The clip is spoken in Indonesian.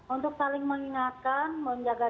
untuk saling mengingatkan menjaga